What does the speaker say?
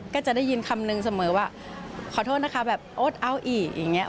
ก็จะได้ยินคำนึงเสมอว่าขอโทษนะคะแบบโอ๊ตเอาอีกอย่างนี้